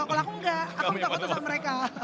kalau aku enggak aku minta foto sama mereka